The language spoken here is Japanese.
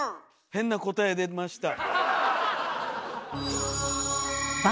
変な答え出ました。